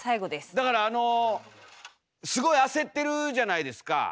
だからあのすごい焦ってるじゃないですか。